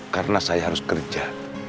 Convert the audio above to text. karena saya harus kerja